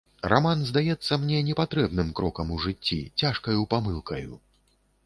Раман здаецца мне непатрэбным крокам у жыцці, цяжкаю памылкаю.